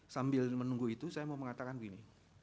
sambil menunggu itu saya mau mengatakan begini